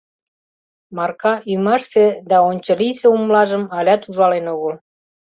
Марка ӱмашсе да ончылийысе умлажым алят ужален огыл.